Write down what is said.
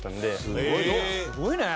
すごいね。